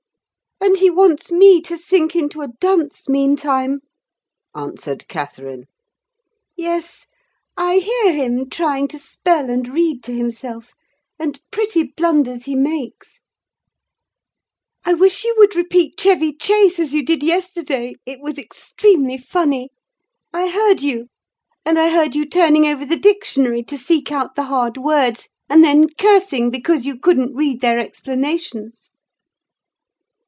"And he wants me to sink into a dunce, meantime," answered Catherine. "Yes, I hear him trying to spell and read to himself, and pretty blunders he makes! I wish you would repeat Chevy Chase as you did yesterday: it was extremely funny. I heard you; and I heard you turning over the dictionary to seek out the hard words, and then cursing because you couldn't read their explanations!"